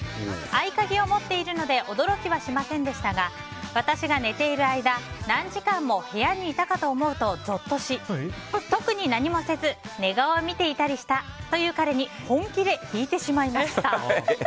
合鍵を持っているので驚きはしませんでしたが私が寝ている間何時間も部屋にいたかと思うとゾッとし、特に何もせず寝顔を見ていたりしたという彼に本気で引いてしまいました。